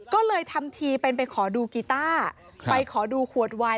ก็เลยทำทีเป็นไปขอดูกีต้าไปขอดูขวดวาย